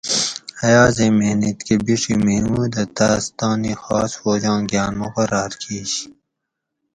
ایازیں محنت کہ بیڛی محمود ھہ تاس تانی خاص فوجاں گان مقرار کیِش